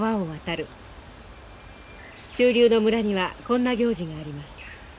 中流の村にはこんな行事があります。